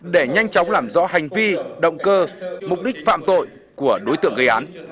để nhanh chóng làm rõ hành vi động cơ mục đích phạm tội của đối tượng gây án